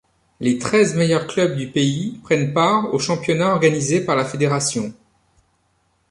Les treize meilleurs clubs du pays prennent part au championnat organisé par la fédération.